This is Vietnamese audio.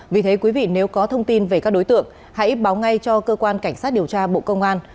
vì thế quý vị nếu có thông tin về các đối tượng hãy báo ngay cho cơ quan cảnh sát điều tra bộ công an